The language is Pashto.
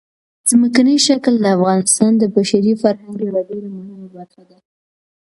ځمکنی شکل د افغانستان د بشري فرهنګ یوه ډېره مهمه برخه ده.